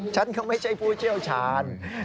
ฉันก็ไม่ใช่ผู้เชี่ยวชาญ